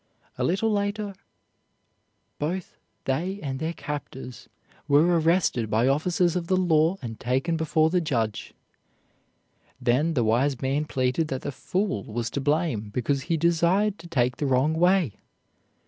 A little later both they and their captors were arrested by officers of the law and taken before the judge. Then the wise man pleaded that the fool was to blame because he desired to take the wrong way.